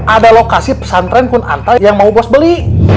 ada lokasi pesantren pun anta yang mau bos beli